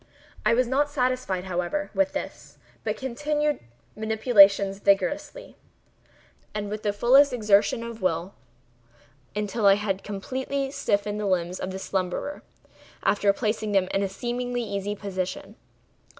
I was not satisfied, however, with this, but continued the manipulations vigorously, and with the fullest exertion of the will, until I had completely stiffened the limbs of the slumberer, after placing them in a seemingly easy position.